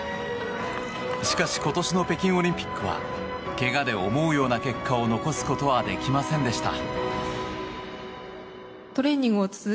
しかし今年の北京オリンピックはけがで思うような結果を残すことはできませんでした。